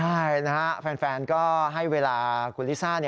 ใช่นะฮะแฟนก็ให้เวลาคุณลิซ่า